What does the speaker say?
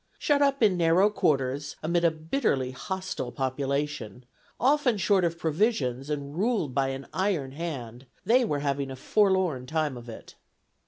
Shut up in narrow quarters amid a bitterly hostile population, often short of provisions and ruled by an iron hand, they were having a forlorn time of it.